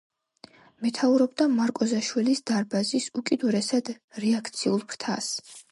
მეთაურობდა „მარკოზაშვილის დარბაზის“ უკიდურესად რეაქციულ ფრთას.